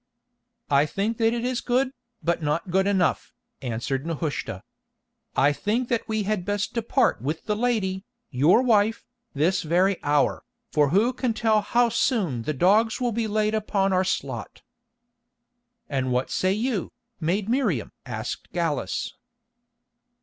"I think that it is good, but not good enough," answered Nehushta. "I think that we had best depart with the lady, your wife, this very hour, for who can tell how soon the dogs will be laid upon our slot?" "And what say you, maid Miriam?" asked Gallus.